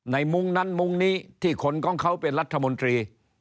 มุ้งนั้นมุ้งนี้ที่คนของเขาเป็นรัฐมนตรี